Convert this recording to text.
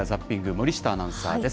森下アナウンサーです。